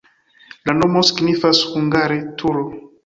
La nomo signifas hungare: turo.